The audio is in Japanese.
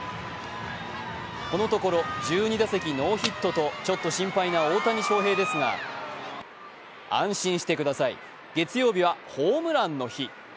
このところ１２打席ノーヒットと、ちょっと心配な大谷翔平ですが安心してください、月曜日はホームランの日。